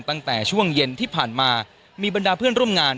ตั้งแต่ช่วงเย็นที่ผ่านมามีบรรดาเพื่อนร่วมงาน